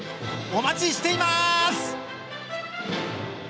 お待ちしています。